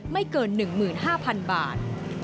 ไม่เกิน๑๕๐๐๐บาท